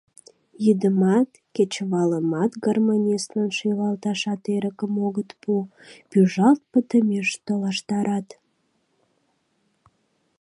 Йӱдымат, кечывалымат гармонистлан шӱлалташат эрыкым огыт пу, пӱжалт пытымеш толаштарат.